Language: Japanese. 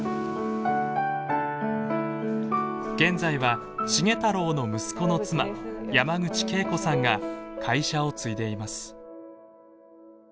現在は繁太郎の息子の妻山口ケイコさんが会社を継いでいます。